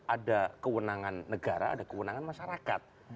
ada kewenangan negara ada kewenangan masyarakat